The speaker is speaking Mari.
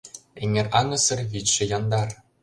Эҥер аҥысыр, вӱдшӧ яндар.